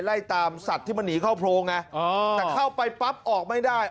ไล่ตามสัตว์ที่มันหนีเข้าโพรงไงแต่เข้าไปปั๊บออกไม่ได้